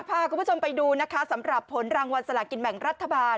พาคุณผู้ชมไปดูนะคะสำหรับผลรางวัลสลากินแบ่งรัฐบาล